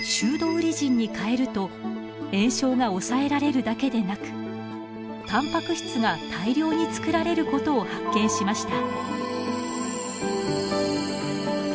ウリジンにかえると炎症が抑えられるだけでなくタンパク質が大量に作られることを発見しました。